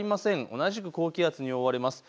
同じく高気圧に覆われます。